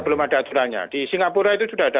belum ada aturannya di singapura itu sudah ada